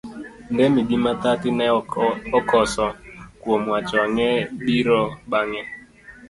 Ndemi gi Mathathi ne ok okoso kuom wacho ang'e biro bange.